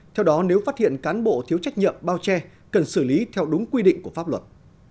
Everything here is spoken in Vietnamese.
theo đó nếu phát hiện cán bộ thiếu trách nhiệm bao che cần xử lý theo đúng quy định của pháp luật